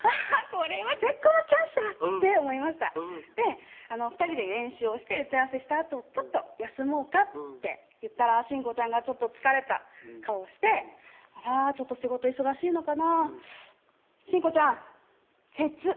これは絶好のチャンスだって想いました２人で練習をして打ち合わせしたあと「ちょっと休もうか」って言ったら真子ちゃんがちょっと疲れた顔してあら仕事忙しいのかなぁ「真子ちゃんケツ！」